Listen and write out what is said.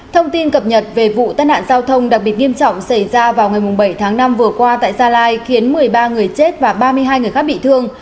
thông tin cập nhật về vụ tai nạn giao thông đặc biệt nghiêm trọng xảy ra vào ngày bảy tháng năm vừa qua tại gia lai khiến một mươi ba người chết và ba mươi hai người khác bị thương